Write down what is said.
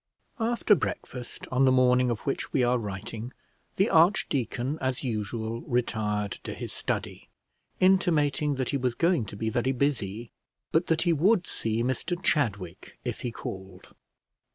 After breakfast, on the morning of which we are writing, the archdeacon, as usual, retired to his study, intimating that he was going to be very busy, but that he would see Mr Chadwick if he called.